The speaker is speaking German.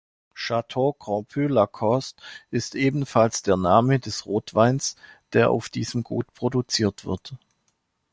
Chateau Grand-Puy-Lacoste ist ebenfalls der Name des Rotweins, der auf diesem Gut produziert wird.